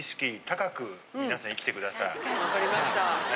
わかりました。